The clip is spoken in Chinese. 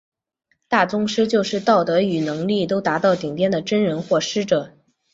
大宗师就是道德与能力都达到顶点的真人或师者。